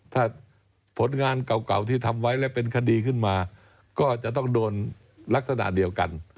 ถ้าผลงานเก่าที่ทำไว้และเป็นคดีขึ้นมาก็จะต้องโดนลักษณะเดียวกัน